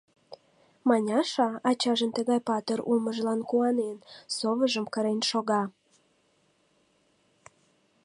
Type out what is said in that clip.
Маняша, ачажын тыгай патыр улмыжлан куанен, совыжым кырен шога.